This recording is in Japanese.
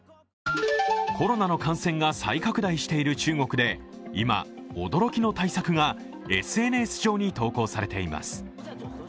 コロナの感染が再拡大している中国で今、驚きの対策がＳＮＳ上に投稿されています。